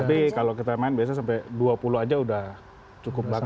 tapi kalau kita main biasa sampai dua puluh aja udah cukup banget